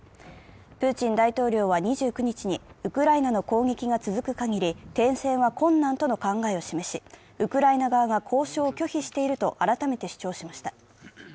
プーチン大統領は２９日にウクライナの攻撃が続くかぎり停戦は困難との考えを示しウクライナ側が交渉を拒否していると改めて主張しました。